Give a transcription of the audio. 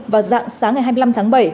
và dạng sáng ngày hai mươi năm tháng bảy